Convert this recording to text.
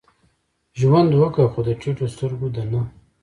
ژوند وکه؛ خو د ټيټو سترګو دا نه.